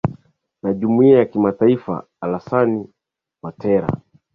na jumuiya kimataifa alasan watera